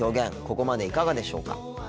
ここまでいかがでしょうか。